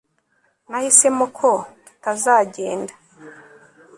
nahisemo ko tutazagenda